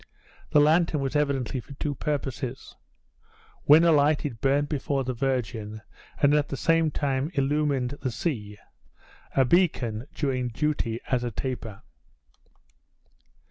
This lantern was evidently for two purposes. When alight it burned before the Virgin, and at the same time illumined the sea a beacon doing duty as a taper.